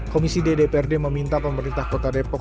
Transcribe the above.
komisi d dprd meminta pemerintah kota depok